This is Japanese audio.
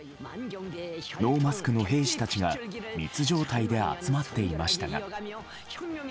ノーマスクの兵士たちが密状態で集まっていましたが。